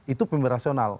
itu pemilih rasional